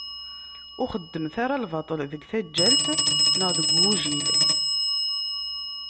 Ur xeddmet ara lbaṭel di taǧǧalt neɣ deg ugujil.